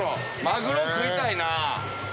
マグロ食いたいな。